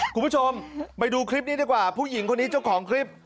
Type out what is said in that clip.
คุณผู้ชมไปดูคลิปนี้ดีกว่าผู้หญิงคนนี้เจ้าของคลิป